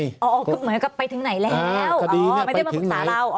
เหมือนกับไปถึงไหนแล้วไม่ได้มาปรึกษาเรา